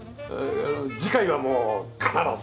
次回はもう必ず！